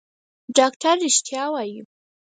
ډاکتر رښتيا وايي.